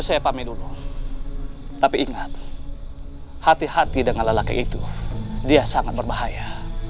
saya pamit dulu tapi ingat hati hati dengan lelaki itu dia sangat berbahaya